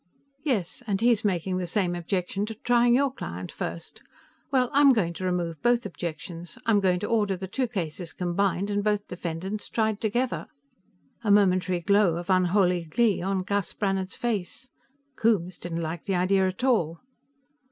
"Yes, and he is making the same objection to trying your client first. Well, I'm going to remove both objections. I'm going to order the two cases combined, and both defendants tried together." A momentary glow of unholy glee on Gus Brannhard's face; Coombes didn't like the idea at all.